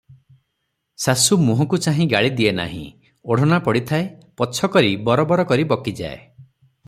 ଶାଶୁ ମୁହଁକୁ ଚାହିଁ ଗାଳି ଦିଏ ନାହିଁ; ଓଢ଼ଣା ପଡ଼ିଥାଏ, ପଛ କରି ବରବର କରି ବକିଯାଏ ।